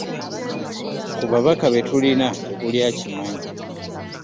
Ku babaka be tulina tekuli akimanyi.